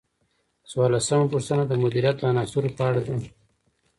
څوارلسمه پوښتنه د مدیریت د عناصرو په اړه ده.